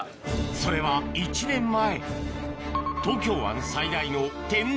それは１年前